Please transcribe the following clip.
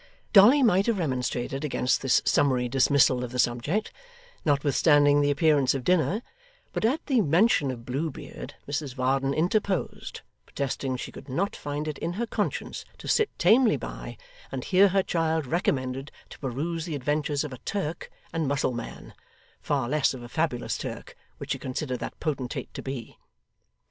Dolly might have remonstrated against this summary dismissal of the subject, notwithstanding the appearance of dinner, but at the mention of Blue Beard Mrs Varden interposed, protesting she could not find it in her conscience to sit tamely by, and hear her child recommended to peruse the adventures of a Turk and Mussulman far less of a fabulous Turk, which she considered that potentate to be.